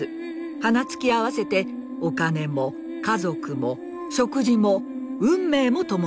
鼻突き合わせてお金も家族も食事も運命も共にする。